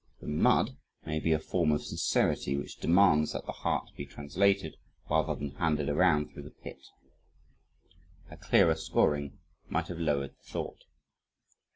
The mud may be a form of sincerity which demands that the heart be translated, rather than handed around through the pit. A clearer scoring might have lowered the thought.